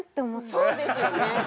そうですよね。